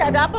ini ada apa